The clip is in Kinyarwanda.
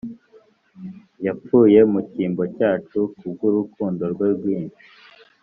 Yapfuye mu cyimbo cyacu kubw’urukundo rwe rwinshi